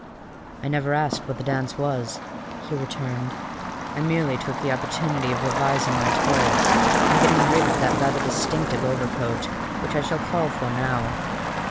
"I never asked what the dance was," he returned. "I merely took the opportunity of revising my toilet, and getting rid of that rather distinctive overcoat, which I shall call for now.